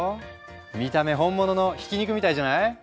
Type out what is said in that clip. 見た目本物のひき肉みたいじゃない？